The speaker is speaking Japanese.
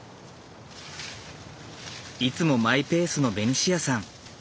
いつもマイペースのベニシアさん。